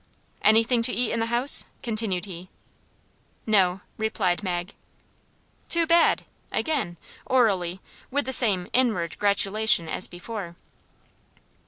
"Anything to eat in the house?" continued he. "No," replied Mag. "Too bad!" again, orally, with the same INWARD gratulation as before.